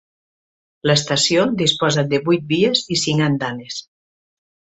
L'estació disposa de vuit vies i cinc andanes.